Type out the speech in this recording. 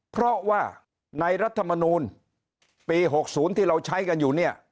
เพราะในรัฐมนูลปี๑๙๖๐ที่เราใช้กันอยู่